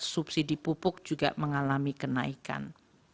subsidi pupuk juga mengalami kenaikan